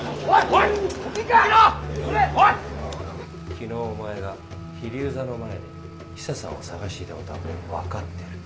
昨日お前が飛龍座の前でヒサさんを捜していたことはもう分かってる。